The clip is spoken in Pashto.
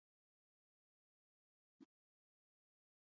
لومړنۍ مذهبي زده کړې یې له اخوندصاحب څخه کړي.